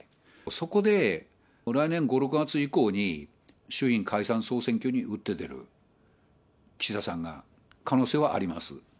そこで、来年５、６月以降に衆院解散・総選挙に打って出る、岸田さんが、可能性はあります。